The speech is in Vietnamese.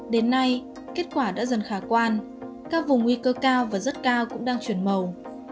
đến nay kết quả đã dần khả quan các vùng nguy cơ cao và rất cao cũng đang chuyển màu